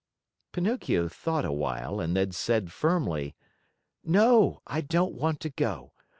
Pinocchio thought a while and then said firmly: "No, I don't want to go.